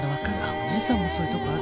お姉さんもそういうとこある。